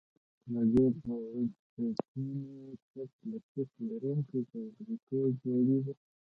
د دې پلچکونو چت له سیخ لرونکي کانکریټو جوړیږي